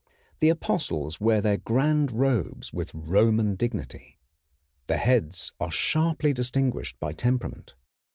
The apostles wear their grand robes with Roman dignity. The heads are sharply distinguished by temperament.